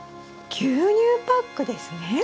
牛乳パックですね？